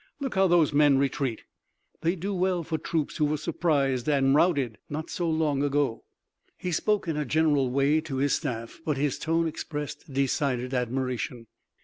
Look, how those men retreat! They do well for troops who were surprised and routed not so long ago!" He spoke in a general way to his staff, but his tone expressed decided admiration.